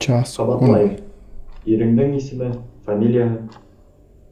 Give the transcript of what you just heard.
Ҡабатлайым: «Иреңдең исем-фамилияһы!»